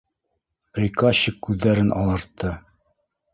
Приказчик күҙҙәрен алартты: